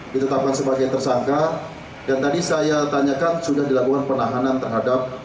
ditetapkan sebagai tersangka dan tadi saya tanyakan sudah dilakukan penahanan terhadap